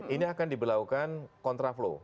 ini akan diberlakukan contra flow